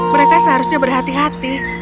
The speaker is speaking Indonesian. mereka seharusnya berhati hati